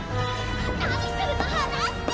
何するの離して！